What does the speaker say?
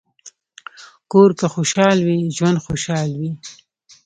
کور که خوشحال وي، ژوند خوشحال وي.